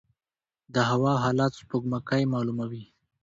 د هوا حالات سپوږمکۍ معلوموي